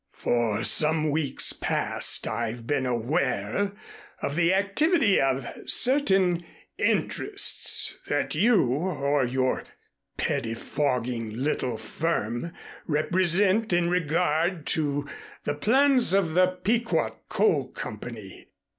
"For some weeks past I've been aware of the activity of certain interests that you or your pettifogging little firm represent in regard to the plans of the Pequot Coal Company.